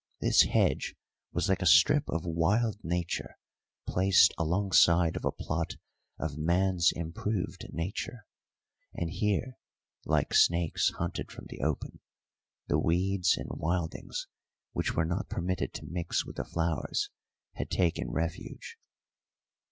This hedge was like a strip of wild nature placed alongside of a plot of man's improved nature; and here, like snakes hunted from the open, the weeds and wildings which were not permitted to mix with the flowers had taken refuge.